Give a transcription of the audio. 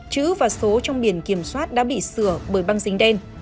chữ và số trong biển kiểm soát đã bị sửa bởi băng dính đen